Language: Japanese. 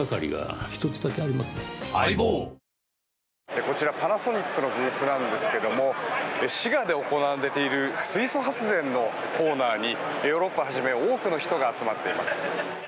こちらパナソニックのブースなんですけども滋賀で行われている水素発電のコーナーにヨーロッパをはじめ多くの人が集まっています。